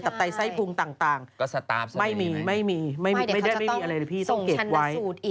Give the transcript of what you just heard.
ตับใต้ไส้พุงต่างไม่มีไม่มีไม่มีอะไรเลยพี่ต้องเก็บไว้